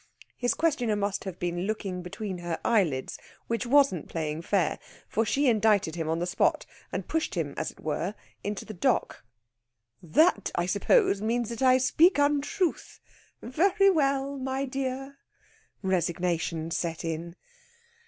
His questioner must have been looking between her eyelids, which wasn't playing fair; for she indicted him on the spot, and pushed him, as it were, into the dock. "That, I suppose, means that I speak untruth. Very well, my dear!" Resignation set in.